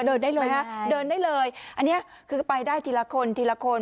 เดินได้เลยฮะเดินได้เลยอันนี้คือไปได้ทีละคนทีละคน